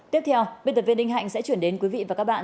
tiếp theo biên tập viên đinh hạnh sẽ chuyển đến quý vị và các bạn